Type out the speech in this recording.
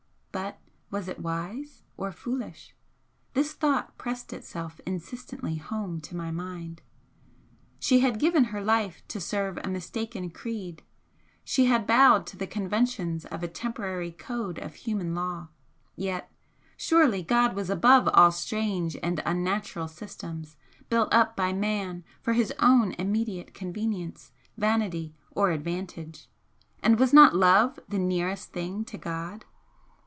But was it wise? Or foolish? This thought pressed itself insistently home to my mind. She had given her life to serve a mistaken creed, she had bowed to the conventions of a temporary code of human law yet surely God was above all strange and unnatural systems built up by man for his own immediate convenience, vanity or advantage, and was not Love the nearest thing to God?